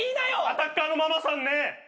アタッカーのママさんね地主なの。